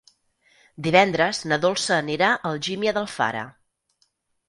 Divendres na Dolça anirà a Algímia d'Alfara.